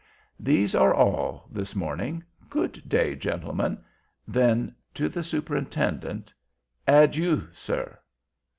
"These are all, this morning. Good day, gentlemen." Then to the Superintendent: "Add you, sir!"